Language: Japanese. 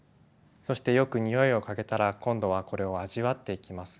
そしてよく匂いを嗅げたら今度はこれを味わっていきます。